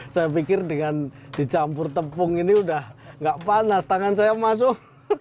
saya pikir dengan dicampur tepung ini udah gak panas tangan saya masuk